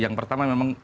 yang pertama memang